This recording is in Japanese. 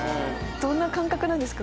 どんな感覚なんですか？